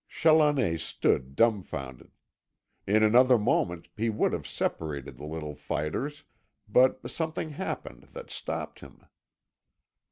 Challoner stood dumbfounded. In another moment he would have separated the little fighters, but something happened that stopped him.